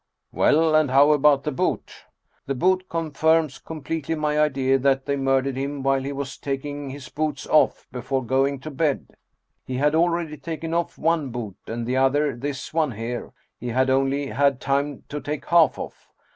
" Well, and how about the boot ?"" The boot confirms completely my idea that they mur dered him while he was taking his boots off before going 162 Anton Chekhoff to bed. He had already taken off one boot, and the other, this one here, he had only had time to take half off.